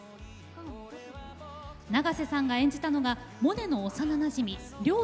永瀬さんが演じたのがモネの幼なじみ、りょー